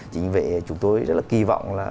chính vì vậy chúng tôi rất là kỳ vọng